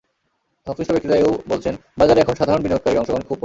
সংশ্লিষ্ট ব্যক্তিরা এ-ও বলছেন, বাজারে এখন সাধারণ বিনিয়োগকারীর অংশগ্রহণ খুব কম।